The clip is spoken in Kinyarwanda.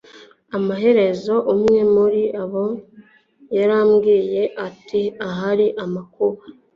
Amaherezo umwe muri bo yarambwiye ati Ahari amakuba